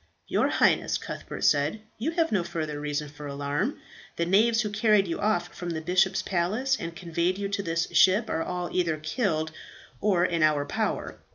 "Your Highness," Cuthbert said, "you have no further reason for alarm; the knaves who carried you off from the bishop's palace and conveyed you to this ship are all either killed or in our power.